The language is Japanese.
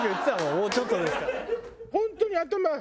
「もうちょっとですから」。